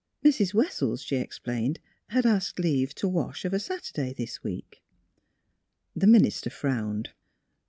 Mrs. Wes sels, she explained, had asked leave to wash of a Saturday this week. The minister frowned.